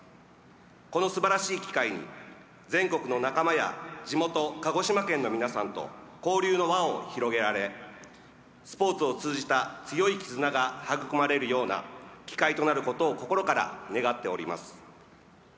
この素晴らしい機会に全国の仲間や地元鹿児島県の皆さんと交流の輪を広げられスポーツを通じた強い絆が育まれるような機会となることを心から願っております。